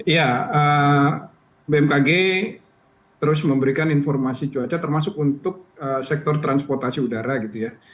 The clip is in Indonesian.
ya bmkg terus memberikan informasi cuaca termasuk untuk sektor transportasi udara gitu ya